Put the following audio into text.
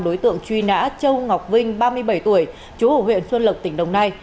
đối tượng truy nã châu ngọc vinh ba mươi bảy tuổi chú ở huyện xuân lộc tỉnh đồng nai